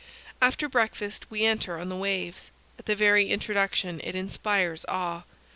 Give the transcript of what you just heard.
After breakfast we enter on the waves. At the very introduction it inspires awe.